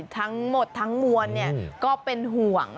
ทั้งหมดทั้งมวลก็เป็นห่วง